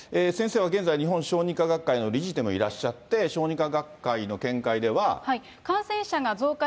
先生は現在、日本小児科学会の理事でもいらっしゃって、小児科学会の見解では。